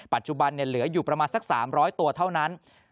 ปัจจุบันเหลืออยู่ประมาณสัก๓๐๐ตัวเท่านั้น